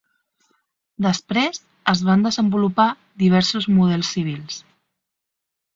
Després es van desenvolupar diversos models civils.